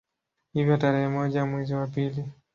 Hivyo tarehe moja mwezi wa pili